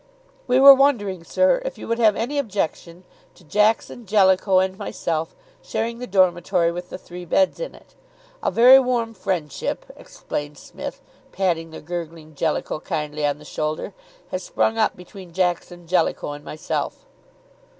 "We were wondering, sir, if you would have any objection to Jackson, Jellicoe and myself sharing the dormitory with the three beds in it. A very warm friendship " explained Psmith, patting the gurgling Jellicoe kindly on the shoulder, "has sprung up between Jackson, Jellicoe and myself."